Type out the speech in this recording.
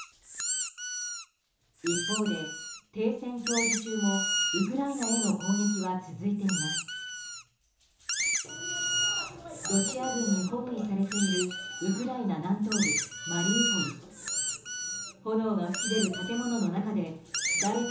一方で、停戦協議中もウクライナへの攻撃は続いています。